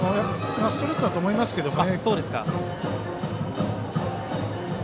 ストレートだと思いますけどね。